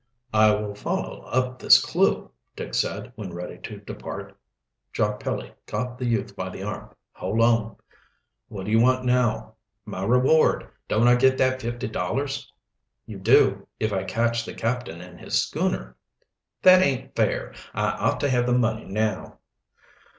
"I will follow up this clew," Dick said, when ready to depart. Jock Pelly caught the youth by the arm. "Hold on!" "What do you want now?" "My reward. Don't I get that fifty dollars?" "You do, if I catch the captain and his schooner." "That aint fair I ought to have the money now."